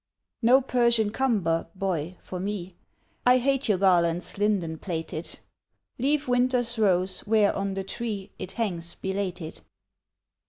No Persian cumber, boy, for me; I hate your garlands linden plaited; Leave winter's rose where on the tree It hangs belated.